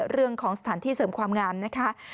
เรื่องของสถานที่เสริมความงามนะคะ